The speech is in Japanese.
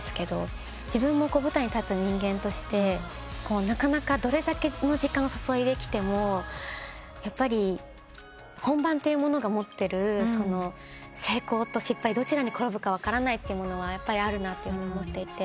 自分も舞台に立つ人間としてなかなかどれだけの時間を注いできてもやっぱり本番というものが持ってる成功と失敗どちらに転ぶか分からないというものはやっぱりあるなと思っていて。